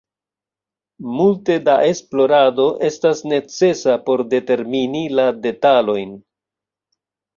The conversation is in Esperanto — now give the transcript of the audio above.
Multe da esplorado estas necesa por determini la detalojn.